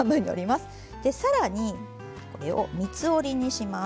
で更にこれを３つ折りにします。